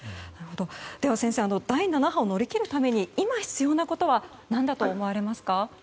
では先生、第７波を乗り切るために今必要なことは何だと思われますか。